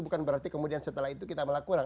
bukan berarti kemudian setelah itu kita melakukan